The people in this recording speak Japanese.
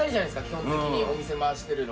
基本的にお店回してるの。